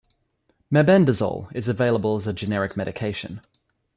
Mebendazole is available as a generic medication.